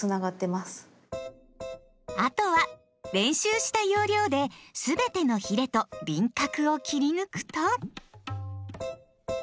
あとは練習した要領ですべてのヒレと輪郭を切り抜くと。